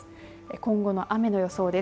今後の雨の予想です。